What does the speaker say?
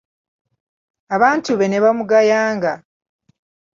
Abantu be ne bamugayanga.